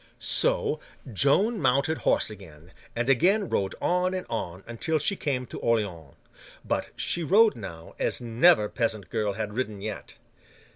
So Joan mounted horse again, and again rode on and on, until she came to Orleans. But she rode now, as never peasant girl had ridden yet.